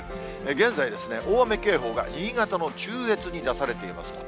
現在、大雨警報が新潟の中越に出されていますと。